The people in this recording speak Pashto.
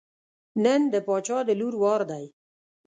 نن د باچا د لور وار دی.